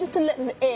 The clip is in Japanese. ええ。